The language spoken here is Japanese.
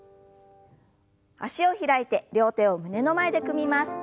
脚を開いて両手を胸の前で組みます。